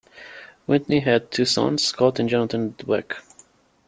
Whitney had two sons, Scott and Jonathan Dweck.